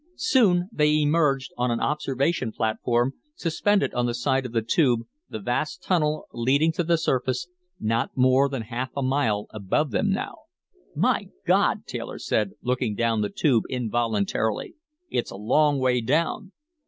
Soon they emerged on an observation platform, suspended on the side of the Tube, the vast tunnel leading to the surface, not more than half a mile above them now. "My God!" Taylor said, looking down the Tube involuntarily. "It's a long way down."